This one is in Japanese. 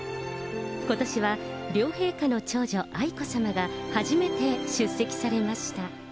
ことしは両陛下の長女、愛子さまが初めて出席されました。